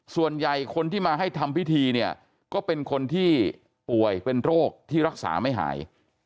ส่วนใหญ่คนที่มาให้ทำพิธีเนี่ยก็เป็นคนที่ป่วยเป็นโรคที่รักษาไม่หาย